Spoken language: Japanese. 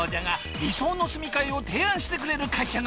理想の住みかえを提案してくれる会社とは？